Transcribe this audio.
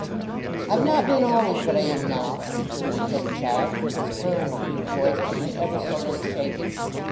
"I've not been always what I am now," continued Henchard, his firm deep voice being ever so little shaken.